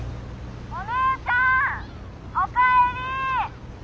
お姉ちゃんおかえり！